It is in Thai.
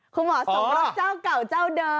คุณหมอสมรสเจ้าเก่าเจ้าเดิม